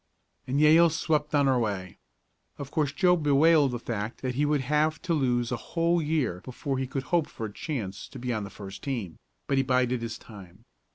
And Yale swept on her way. Of course Joe bewailed the fact that he would have to lose a whole year before he could hope for a chance to be on the first team, but he bided his time.